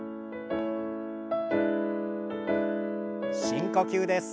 深呼吸です。